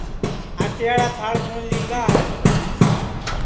آٹے یاڑا تھاݪ کُوٹؔ لی گا ہے